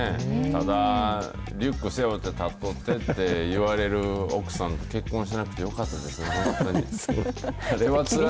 ただ、リュック背負ってたっとってって言われる奥さんと結婚しなくてよかったですよ、本当に。